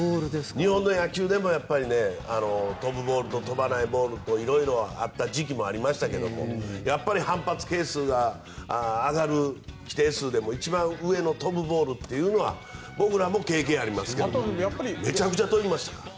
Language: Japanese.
日本の野球でも飛ぶボールと飛ばないボールと色々あった時期もありましたけどやっぱり反発係数が上がる規定数でも一番上の飛ぶボールというのは僕らでも経験がありますがめちゃくちゃ飛びましたから。